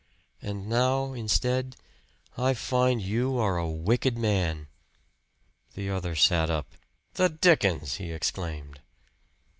And now, instead, I find you are a wicked man!" The other sat up. "The dickens!" he exclaimed.